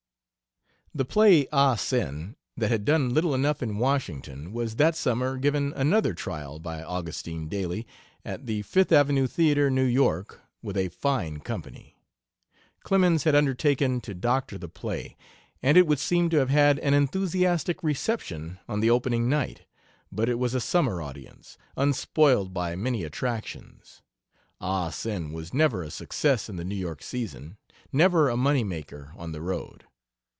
The play, "Ah Sin," that had done little enough in Washington, was that summer given another trial by Augustin Daly, at the Fifth Avenue Theater, New York, with a fine company. Clemens had undertaken to doctor the play, and it would seem to have had an enthusiastic reception on the opening night. But it was a summer audience, unspoiled by many attractions. "Ah Sin" was never a success in the New York season never a money maker on the road.